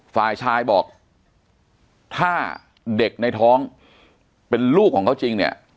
ฝ่ายชายบอกถ้าเด็กในท้องเป็นลูกของเขาจริงเนี่ย